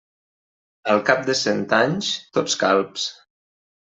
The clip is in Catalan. Al cap de cent anys, tots calbs.